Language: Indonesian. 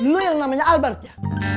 dulu yang namanya albert ya